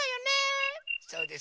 そうですね。